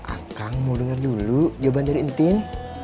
akang mau dengar dulu jawaban dari entin